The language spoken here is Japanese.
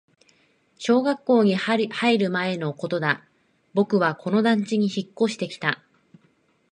小学校に入る前のことだ、僕はこの団地に引っ越してきた